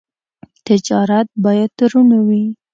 تجارت باید روڼ وي.